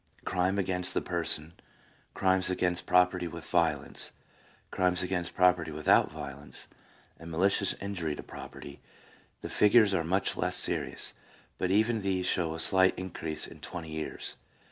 crimes against the person, crimes against property with violence, crimes against property without violence, and mali cious injury to property — the figures are much less serious, but even these show a slight increase in twenty years.